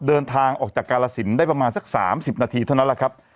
เดินทางออกจากกาลสินได้ประมาณสัก๓๐นาทีเท่านั้นแหละครับ